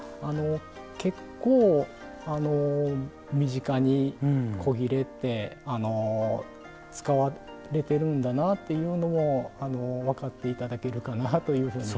結構身近に古裂って使われてるんだなっていうのも分かって頂けるかなというふうに。